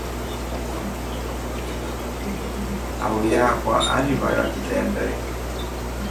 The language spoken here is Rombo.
Auye akwa alivaiwa kitendee.